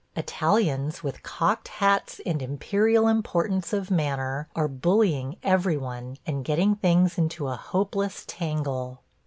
Italians, with cocked hats and imperial importance of manner, are bullying every one and getting things into a hopeless tangle.